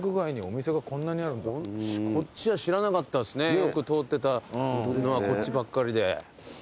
よく通ってたのはこっちばっかりで。